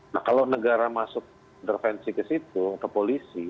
nah kalau negara masuk intervensi ke situ ke polisi